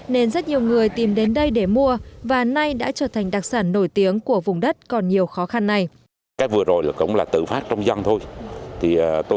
nên rất nhiều người tìm đến đây để mua và nay đã trở thành đặc sản nổi tiếng của vùng đất còn nhiều khó khăn này